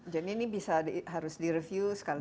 jadi ini bisa harus direview sekali berapa kali